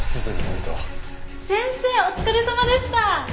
先生お疲れさまでした！